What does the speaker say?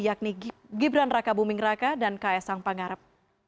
yakni gibran raka buming raka dan ks angpangarap